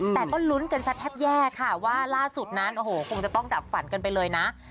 แต่ก็ลุ้นกันซะแทบแย่ค่ะว่าล่าสุดนั้นโอ้โหคงจะต้องดับฝันกันไปเลยนะ